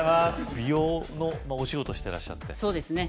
美容のお仕事をしてらっしゃってそうですね